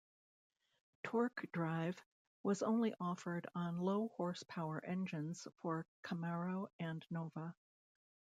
Torque Drive was only offered on low-horsepower engines for Camaro and Nova.